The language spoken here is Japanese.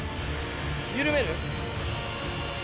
緩める？